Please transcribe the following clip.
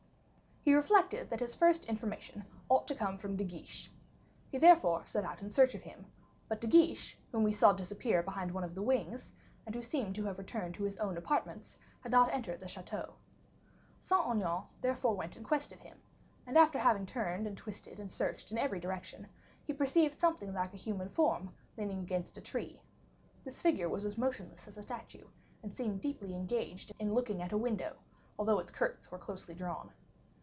He reflected that his first information ought to come from De Guiche. He therefore set out in search of him, but De Guiche, whom we saw disappear behind one of the wings, and who seemed to have returned to his own apartments, had not entered the chateau. Saint Aignan therefore went in quest of him, and after having turned, and twisted, and searched in every direction, he perceived something like a human form leaning against a tree. This figure was as motionless as a statue, and seemed deeply engaged in looking at a window, although its curtains were closely drawn.